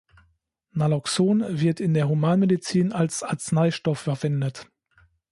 Naloxon wird in der Humanmedizin als Arzneistoff verwendet.